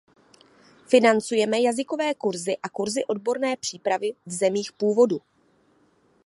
Financujeme jazykové kurzy a kurzy odborné přípravy v zemích původu.